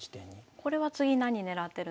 これは次何狙ってるんですか？